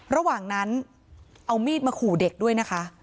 ระหว่างนั้นเอามีดมาขู่เด็กด้วยนะคะ